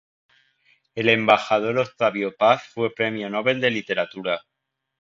El embajador Octavio Paz fue Premio Nobel de Literatura.